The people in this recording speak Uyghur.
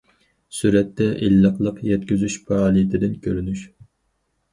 سۈرەتتە: ئىللىقلىق يەتكۈزۈش پائالىيىتىدىن كۆرۈنۈش.